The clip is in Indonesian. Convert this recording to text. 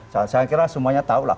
saya kira semuanya tahu lah